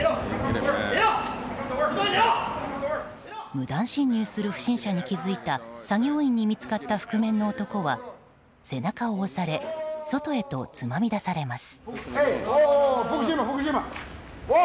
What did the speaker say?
無断侵入する不審者に気付いた作業員に見つかった覆面の男は、背中を押され外へとつまみ出されます。